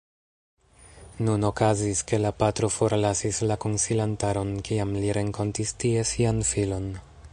Nun okazis, ke la patro forlasis la konsilantaron, kiam li renkontis tie sian filon.